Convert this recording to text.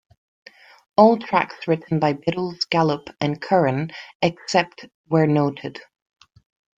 All tracks written by Biddles, Gallup and Curran, except where noted.